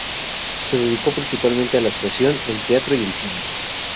Se dedicó principalmente a la actuación, el teatro y el cine.